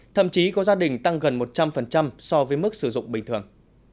thậm chí có gia đình tăng gần một trăm linh so với mức sử dụng bình thường